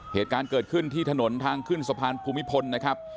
เหตุการณ์เกิดขึ้นที่ถนนทางขึ้นสะพานภูมิพลนะครับ